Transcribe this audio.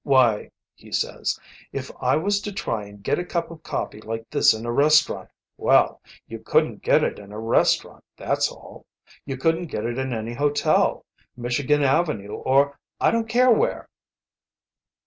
Why,' he says, 'if I was to try and get a cup of coffee like this in a restaurant well, you couldn't get it in a restaurant, that's all. You couldn't get it in any hotel, Michigan Avenue or I don't care where.'"